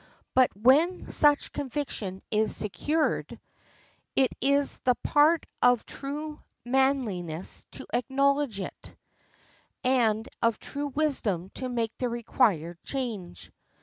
But when such conviction is secured, it is the part of true manliness to acknowledge it, and of true wisdom to make the required change.